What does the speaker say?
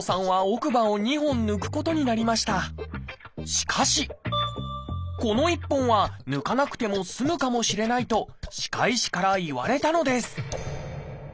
しかしこの１本は抜かなくても済むかもしれないと歯科医師から言われたのです